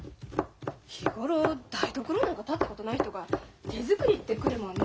日頃台所なんか立ったことない人が手作りってくるもんね。